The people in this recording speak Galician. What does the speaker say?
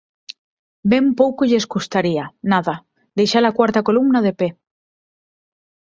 Ben pouco lles custaría, nada, deixa-la cuarta columna de pe.